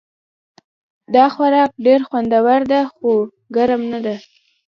دا خوراک ډېر خوندور ده خو ګرم نه ده